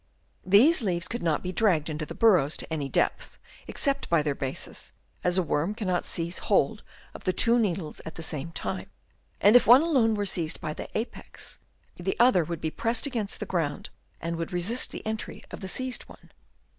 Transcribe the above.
These leaves could not be dragged into the burrows to any depth, except by their bases, as a worm cannot seize hold of the two needles at the same time, and if one alone were seized by the apex, the other would be pressed against the ground and would resist the entry of the seized one.